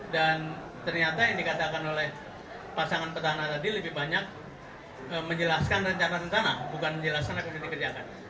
dan ternyata yang dikatakan oleh pasangan petana tadi lebih banyak menjelaskan rencana tentana bukan menjelaskan yang harus dikerjakan